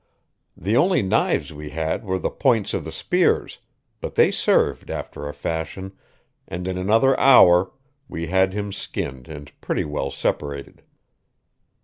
The only knives we had were the points of the spears, but they served after a fashion, and in another hour we had him skinned and pretty well separated.